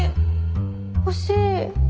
欲しい。